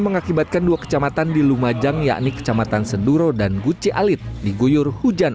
mengakibatkan dua kecamatan di lumajang yakni kecamatan senduro dan gucci alit di guyur hujan